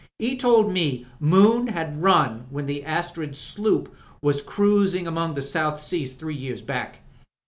He told me Moon 'ad run when the Astriid sloop was cruising among the South Seas three years back.